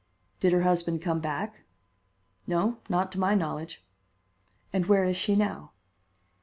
"Did her husband come back?" "No, not to my knowledge." "And where is she now?"